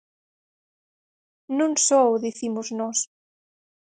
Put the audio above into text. Non só o dicimos nós.